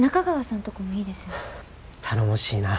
頼もしいな。